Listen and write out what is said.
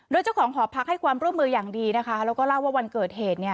โดยเจ้าของหอพักให้ความร่วมมืออย่างดีนะคะแล้วก็เล่าว่าวันเกิดเหตุ